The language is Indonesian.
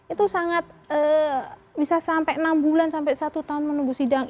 itu sangat bisa sampai enam bulan sampai satu tahun menunggu sidang